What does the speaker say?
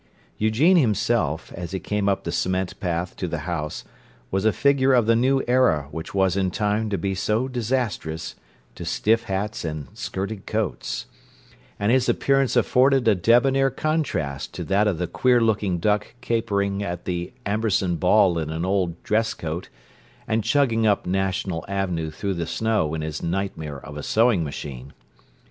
Eugene himself, as he came up the cement path to the house, was a figure of the new era which was in time to be so disastrous to stiff hats and skirted coats; and his appearance afforded a debonair contrast to that of the queer looking duck capering at the Amberson Ball in an old dress coat, and chugging up National Avenue through the snow in his nightmare of a sewing machine.